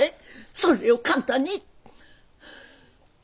それを簡単に。